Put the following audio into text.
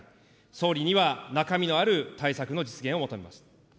総理には中身のある対策の実現を求めます。